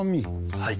はい。